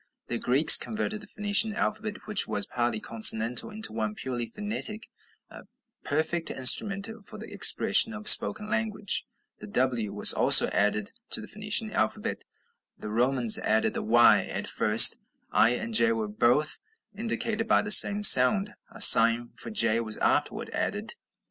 The Greeks converted the Phoenician alphabet, which was partly consonantal, into one purely phonetic "a perfect instrument for the expression of spoken language." The w was also added to the Phoenician alphabet. The Romans added the y. At first i and j were both indicated by the same sound; a sign for j was afterward added.